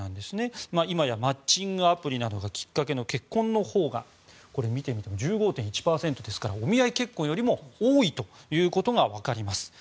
今やマッチングアプリなどがきっかけの結婚のほうが１５．１％ですからお見合い結婚よりも多いということが分かります。